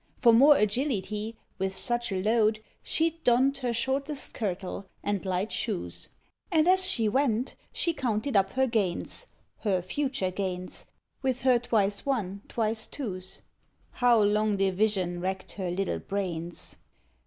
For more agility, with such a load, She'd donned her shortest kirtle and light shoes. And as she went she counted up her gains Her future gains with her twice one, twice twos. How long division racked her little brains!